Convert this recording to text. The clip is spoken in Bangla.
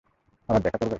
আবার দেখা করবে?